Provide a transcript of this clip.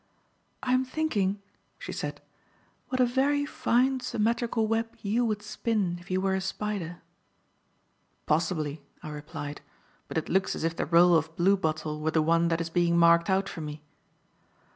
"I am thinking," she said, "what a very fine symmetrical web you would spin if you were a spider." "Possibly," I replied. "But it looks as if the role of bluebottle were the one that is being marked out for me."